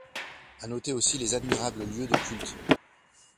À noter aussi les admirables lieux de culte.